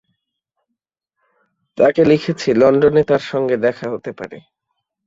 তাঁকে লিখেছি, লণ্ডনে তাঁর সঙ্গে দেখা হতে পারে।